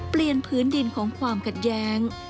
เปลี่ยนพื้นดินของความกัดแยง